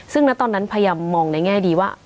ซึ่งณตอนนั้นพยายามมองในแง่ดีว่า